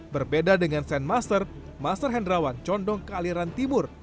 berbeda dengan saint master master hendrawan condong kealiran timur